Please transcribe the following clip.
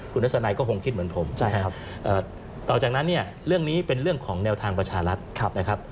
คุณทัศนัยก็คงคิดเหมือนผมใช่ครับต่อจากนั้นเนี่ยเรื่องนี้เป็นเรื่องของแนวทางประชารัฐนะครับ